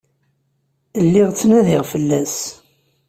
Lliɣ ttnadiɣ fell-as.